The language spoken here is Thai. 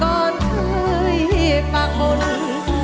ก่อนเคยปากมนต์